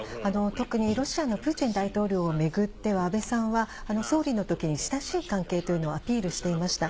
特にロシアのプーチン大統領を巡っては、安倍さんは総理のときに親しい関係というのをアピールしていました。